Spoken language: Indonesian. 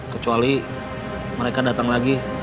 kecuali mereka datang lagi